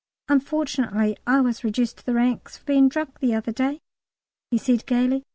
"Unfortunately I was reduced to the ranks for being drunk the other day," he said gaily.